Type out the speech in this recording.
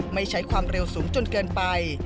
ไม่ใช้ความเร็วสูงจนเกินไป